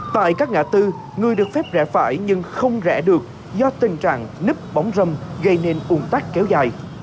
tại các ngã tư người được phép rẽ phải nhưng không rẽ được do tình trạng nếp bóng râm gây nên uồn tắc kéo dài